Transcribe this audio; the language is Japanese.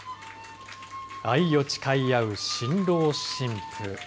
愛を誓い合う新郎新婦。